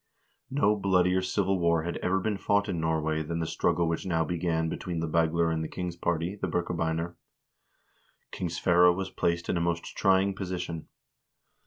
No bloodier civil war had ever been fought in Norway than the struggle which now began between the Bagler and the king's party, the Birkebeiner. King Sverre was placed in a most trying position.